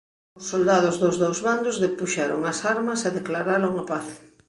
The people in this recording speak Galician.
Os soldados dos dous bandos depuxeron as armas e declararon a paz.